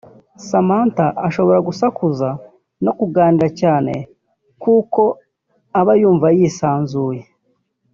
Samantha ashobora gusakuza no kuganira cyane kuko aba yumva yisanzuye